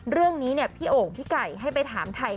เรื่องนี้พี่โอ่งพี่ไก่ให้ไปถามไทย